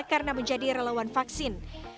karena menjadi relawan vaksin